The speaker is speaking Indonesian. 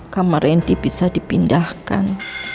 kamar rendy bisa dipindahkan